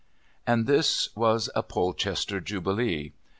And this was a Polchester Jubilee.